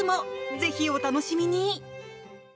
ぜひ、お楽しみに！